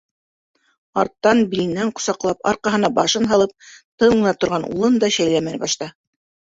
Арттан биленән ҡосаҡлап, арҡаһына башын һалып тын ғына торған улын да шәйләмәне башта.